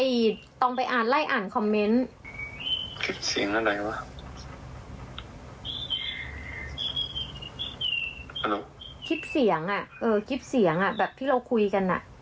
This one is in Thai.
เดี๋ยวตองไม่ได้แกล้งกันอย่างงี้ไหม